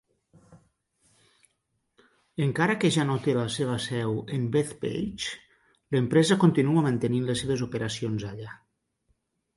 Encara que ja no té la seva seu en Bethpage, l'empresa continua mantenint les seves operacions allà.